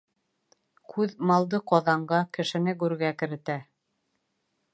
Күҙ малды ҡаҙанға, кешене гүргә керетә.